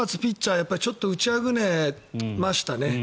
やっぱりちょっと打ちあぐねましたね。